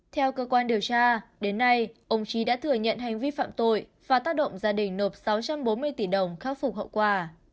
theo cơ quan điều tra đến nay ông trí đã thừa nhận hành vi phạm tội và tác động gia đình nộp sáu trăm bốn mươi tỷ đồng khắc phục hậu quả